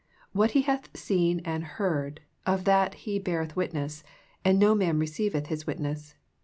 What He hath seen and heard, of that He beareth witness ; and no man receiveth His witness.